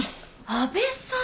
阿部さん！